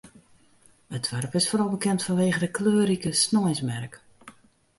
It doarp is foaral bekend fanwege de kleurrike sneinsmerk.